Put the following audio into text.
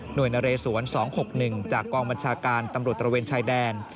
โดยนเรสวน๒๖๑จากกองบัญชาการตำรวจตระเวนชายแดน